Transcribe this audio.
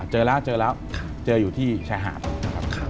เจอแล้วเจออยู่ที่ชายหาดครับ